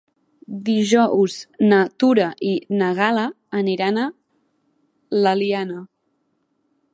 Dijous na Tura i na Gal·la aniran a l'Eliana.